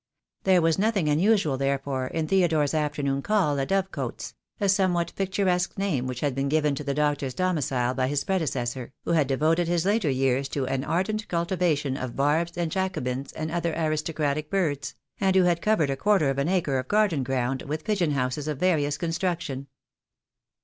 There was nothing unusual, therefore, in Theodore's afternoon call at Dove cotes, a somewhat picturesque name which had been given to the doctor's domicile by his predecessor, who THE DAY WILL COME. I 73 had devoted his later years to an ardent cultivation of Barbs and Jacobins and other aristocratic birds, and who had covered a quarter of an acre of garden ground with pigeon houses of various construction.